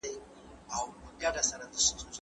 اکا دي راغلی دی.